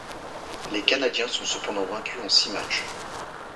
Les Canadiens sont cependant vaincus en six matchs.